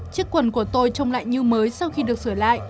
chiếc quần của tôi trông lại như mới sau khi được sửa lại